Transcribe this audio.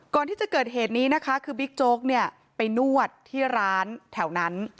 ก่อนที่จะเกิดเหตุนี้นะคะคือบิ๊กโจ๊กเนี่ยไปนวดที่ร้านแถวนั้น